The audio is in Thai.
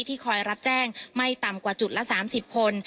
คอยรับแจ้งไม่ต่ำกว่าจุดละ๓๐คน